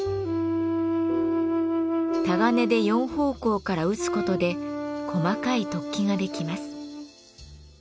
たがねで４方向から打つ事で細かい突起が出来ます。